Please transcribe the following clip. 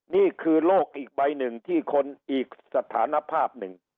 นี่คือโลกอีกใบหนึ่งที่คนอีกสถานภาพหนึ่ง